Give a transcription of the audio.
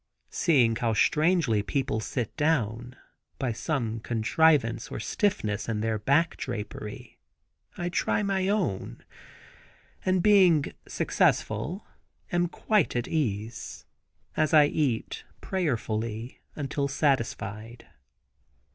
Seeing how strangely people sit down, by some contrivance or stiffness in their back drapery, I try my own, and being successful, am become quite at ease, as I eat, prayerfully, until satisfied.